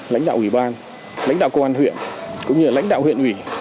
lãnh đạo ủy ban lãnh đạo công an huyện cũng như lãnh đạo huyện ủy